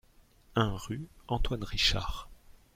un rue Antoine Richard